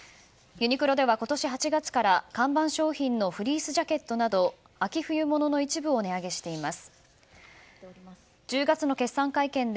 ユニクロでは今年８月から看板商品のフリースジャケットなど秋冬物の一部を値上げしています。